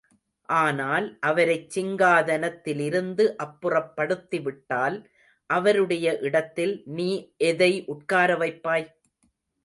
ஆனால், அவரைச் சிங்காதனத்திலிருந்து அப்புறப் படுத்திவிட்டால், அவருடைய இடத்தில் நீ எதை உட்காரவைப்பாய்?